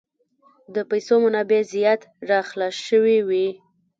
د پیسو منابع زیات را خلاص شوي وې.